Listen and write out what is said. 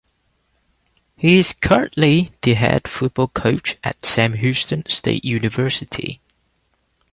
He is currently the head football coach at Sam Houston State University.